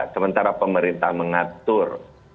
sementara pemerintah mengatur